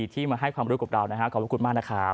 ที่มาให้ความรู้กับเรานะฮะขอบคุณมากนะครับ